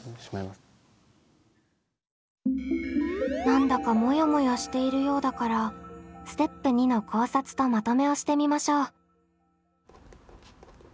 何だかモヤモヤしているようだからステップ２の考察とまとめをしてみましょう。